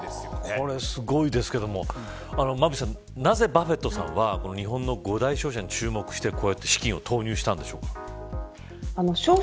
これ、すごいですけれども馬渕さん、なぜバフェットさんは日本の５大商社に注目して資金を投入したんでしょうか。